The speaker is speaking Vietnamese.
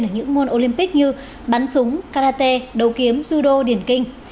ở những môn olympic như bắn súng karate đầu kiếm judo điển kinh